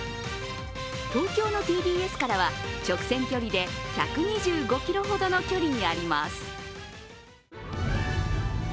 東京のＴＢＳからは直線距離で１２５ｋｍほどの距離にあります。